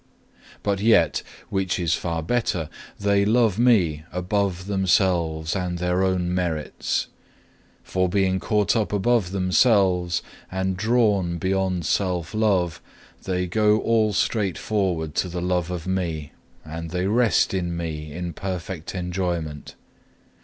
5. "But yet (which is far better) they love Me above themselves and their own merits. For being caught up above themselves, and drawn beyond self love, they go all straightforward to the love of Me, and they rest in Me in perfect enjoyment.